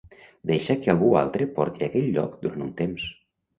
Deixa que algú altre porti aquell lloc durant un temps.